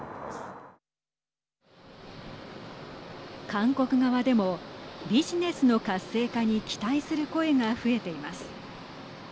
韓国側でもビジネスの活性化に期待する声が増えています。